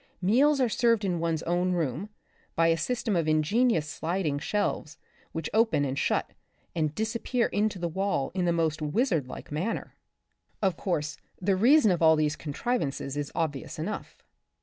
Meals are served in one's own room, by a system of in genious sliding shelves, which open and shut, and disappear into the wall in the most wizard like manner. Of course the reason of all these contrivances is obvious enough.